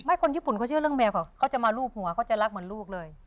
คนญี่ปุ่นเขาเชื่อเรื่องแมวค่ะเขาจะมารูปหัวเขาจะรักเหมือนลูกเลย